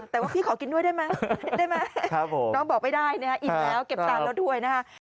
แต่ว่าพี่ขอกินด้วยได้ไหมน้องบอกไม่ได้นะฮะ